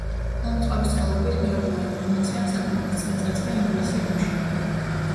ამ წყაროს წყალობით მიღებულმა ინფორმაციამ საკმაოდ წინ წაწია ინგლისი ომში.